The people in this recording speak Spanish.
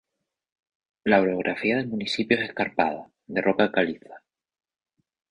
La orografía del municipio es escarpada, de roca caliza.